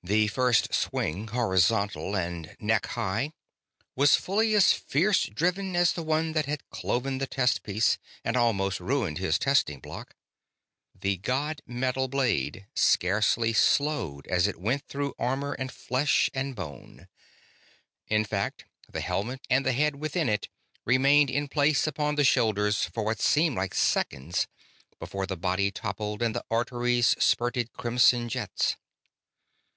This first swing, horizontal and neck high, was fully as fierce driven as the one that had cloven the test piece and almost ruined his testing block. The god metal blade scarcely slowed as it went through armor and flesh and bone. In fact, the helmet and the head within it remained in place upon the shoulders for what seemed like seconds before the body toppled and the arteries spurted crimson jets.